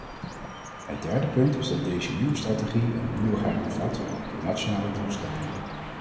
Het derde punt is dat deze nieuwe strategie een nieuwigheid bevat: de nationale doelstellingen.